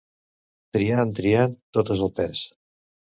Triant, triant, totes al pes.